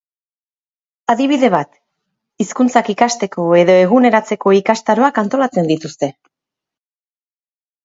Adibide bat: hizkuntzak ikasteko edo eguneratzeko ikastaroak antolatzen dituzte.